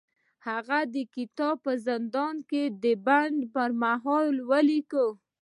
هغه دا کتاب په زندان کې د بند پر مهال ولیکه